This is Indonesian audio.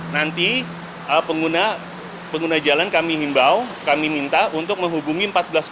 nanti pengguna jalan kami himbau kami minta untuk menghubungi empat belas